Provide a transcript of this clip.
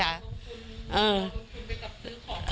ลงทุนไปกับซื้อของ